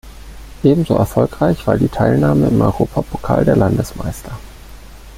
Ebenso erfolgreich war die Teilnahme im Europapokal der Landesmeister.